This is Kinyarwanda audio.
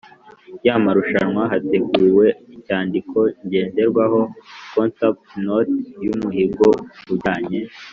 Y amarushanwa hateguwe inyandiko ngenderwaho concept note y umuhigo ujyanye